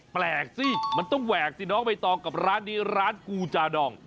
แปลกสิมันต้องแหวกสิน้องใบตองกับร้านนี้ร้านกูจาดอง